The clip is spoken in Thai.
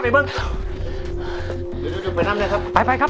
เดี๋ยวดูผ่านห้ามได้ครับ